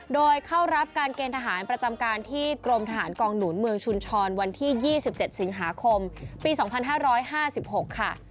โดยเข้ารับการเกณฑ์ทหารประจำการที่กรมทหารกองหนุนเมืองชุนชรวันที่๒๗สิงหาคมปี๒๕๕๖ค่ะ